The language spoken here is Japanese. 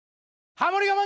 ハモリ我慢